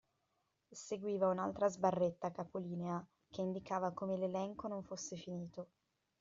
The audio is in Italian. Seguiva un'altra sbarretta a capo linea, che indicava come l'elenco non fosse finito.